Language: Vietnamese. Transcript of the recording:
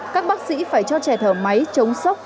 các bác sĩ phải cho trẻ thở máy chống sốc